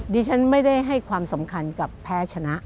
ดิฉันไม่ได้ให้ความสำคัญกับแพ้ชนะ